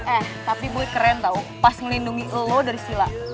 eh tapi boy keren tau pas ngelindungi lo dari si la